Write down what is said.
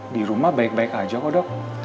di rumah baik baik aja kok dok